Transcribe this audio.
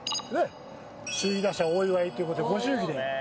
首位打者お祝いっていう事でご祝儀で。